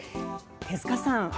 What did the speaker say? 手塚さん